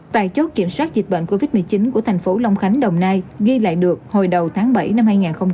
tại chốt kiểm soát dịch bệnh covid một mươi chín của thành phố long khánh đồng nai ghi lại được hồi đầu tháng bảy năm hai nghìn hai mươi